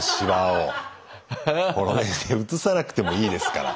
写さなくてもいいですから。